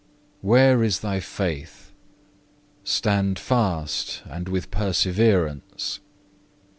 Where is thy faith? Stand fast and with perseverance.